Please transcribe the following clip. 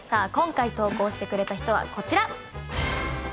今回投稿してくれた人はこちら。